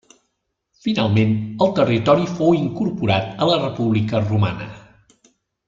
Finalment el territori fou incorporat a la República romana.